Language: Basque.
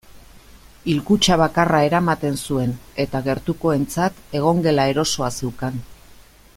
Hilkutxa bakarra eramaten zuen eta gertukoentzat egongela erosoa zeukan.